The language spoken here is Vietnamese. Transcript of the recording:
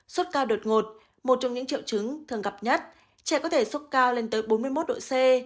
suốt cao đột ngột một trong những triệu chứng thường gặp nhất trẻ có thể sốc cao lên tới bốn mươi một độ c